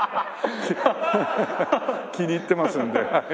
気に入ってますんで。